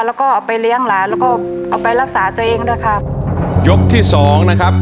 แล้วก็เอาไปเลี้ยงหลานแล้วก็เอาไปรักษาตัวเองด้วยครับยกที่สองนะครับ